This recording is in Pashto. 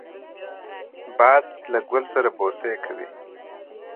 باد له ګل سره بوسې کوي